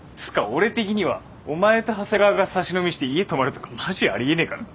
俺的にはお前と長谷川がサシ飲みして家泊まるとかマジありえねえからな。